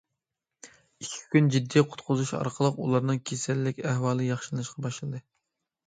ئىككى كۈن جىددىي قۇتقۇزۇش ئارقىلىق، ئۇلارنىڭ كېسەللىك ئەھۋالى ياخشىلىنىشقا باشلىدى.